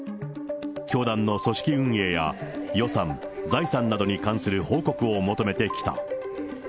教団の組織運営や予算、財産などに関する報告を求めてきた。